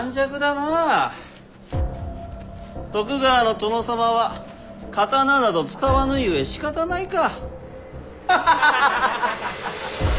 徳川の殿様は刀など使わぬゆえしかたないか。